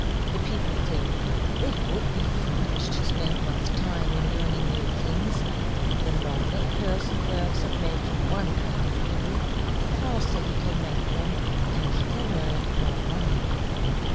The people think: "It would be foolish to spend one's time in learning new things. The longer a person works at making one kind of toy, the faster he can make them, and he can earn more money."